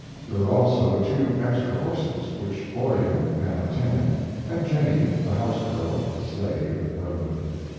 There were also two extra horses, which Orion, now ten, and Jennie, the house girl, a slave, rode.